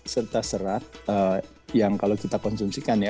serta serat yang kalau kita konsumsikan ya